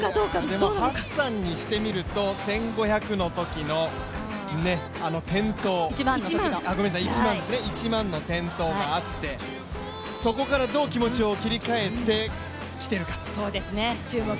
ハッサンにしてみると、１００００ｍの転倒があって、そこからどう気持ちを切り替えてきているかと。